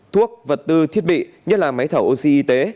thuốc vật tư thiết bị nhất là máy thẩu oxy y tế